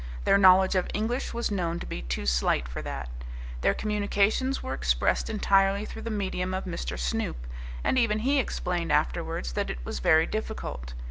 Their knowledge of English was known to be too slight for that. Their communications were expressed entirely through the medium of Mr. Snoop, and even he explained afterwards that it was very difficult.